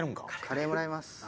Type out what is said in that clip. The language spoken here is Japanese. カレーもらいます。